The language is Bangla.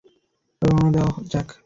রওনা দেওয়া যাক!